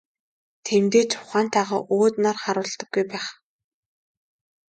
Тиймдээ ч ухаантайгаа өөд нар харуулдаггүй байх.